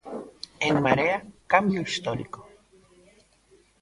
En Marea, "Cambio histórico".